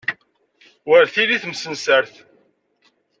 Wer telli temsensert.